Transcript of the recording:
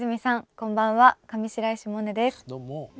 こんばんは上白石萌音です。